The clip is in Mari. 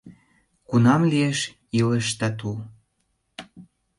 Кунам лиеш илыш тату?